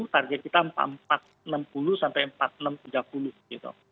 target kita rp empat enam puluh sampai rp empat enam ratus tiga puluh gitu